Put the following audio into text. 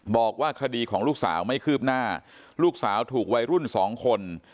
บอกว่าคดีของลูกสาวไม่คืบหน้าลูกสาวถูกวัยรุ่นสองคน